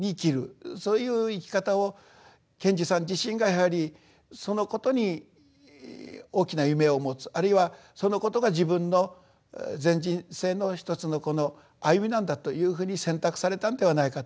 そういう生き方を賢治さん自身がやはりそのことに大きな夢を持つあるいはそのことが自分の全人生の一つの歩みなんだというふうに選択されたんではないかと。